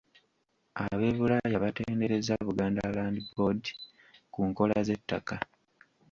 Ab’e Bulaaya batenderezza Buganda Land Board ku nkola z’ettaka.